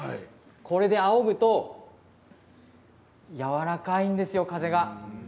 これで、あおぐとやわらかいんですよ、風が。